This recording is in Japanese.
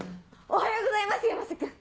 おはようございます山瀬君。